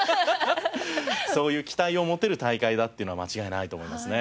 そういう期待を持てる大会だっていうのは間違いないと思いますね。